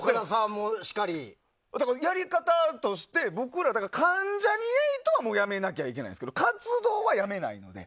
やり方として僕ら関ジャニ∞はもうやめなきゃいけませんが活動はやめないので。